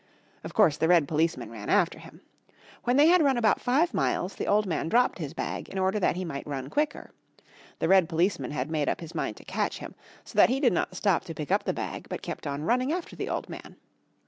Of course the red policeman ran after him. When they had run about five miles the old man dropped his bag in order that he might run quicker. The red policeman had made up his mind to catch him; so that he did not stop to pick up the bag but kept on running after the old man.